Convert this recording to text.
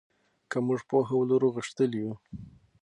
که موږ پوهه ولرو غښتلي یو.